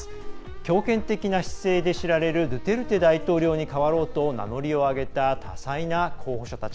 強権的な姿勢で知られるドゥテルテ大統領に代わろうと、名乗りを上げた多彩な候補者たち。